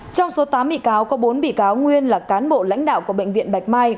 trong số tám bị cáo có bốn bị cáo nguyên là cán bộ lãnh đạo của bệnh viện bạch mai